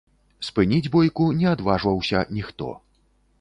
Спыніць бойку не адважваўся ніхто.